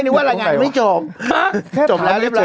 ในข่าวเขาแรงงานมาไหว้หรือไม่ไหว้